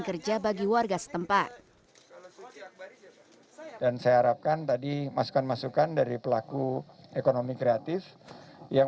kerja bagi warga setempat dan saya harapkan tadi masukan masukan dari pelaku ekonomi kreatif yang